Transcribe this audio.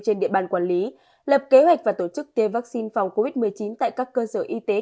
trên địa bàn quản lý lập kế hoạch và tổ chức tiêm vaccine phòng covid một mươi chín tại các cơ sở y tế